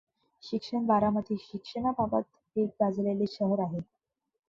शिक्षण बारामती शिक्षणाबाबत एक गाजलेले शहर आहॆ.